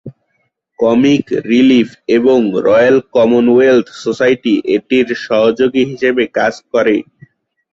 Comic Relief এবং Royal Commonwealth Society এটির সহযোগী হিসাবে কাজ করে।